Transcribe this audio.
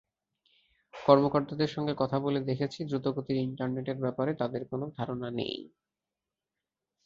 কর্মকর্তাদের সঙ্গে কথা বলে দেখেছি, দ্রুতগতির ইন্টারনেটের ব্যাপারে তাঁদের কোনো ধারণা নেই।